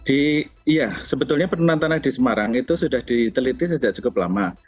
iya sebetulnya penurunan tanah di semarang itu sudah diteliti sejak cukup lama